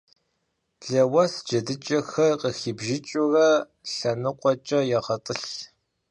Лэуэс джэдыкӀэхэр къыхибжыкӀыурэ лъэныкъуэкӀэ егъэтӀылъ.